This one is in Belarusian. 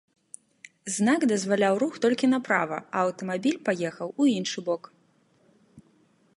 Знак дазваляў рух толькі направа, а аўтамабіль паехаў у іншы бок.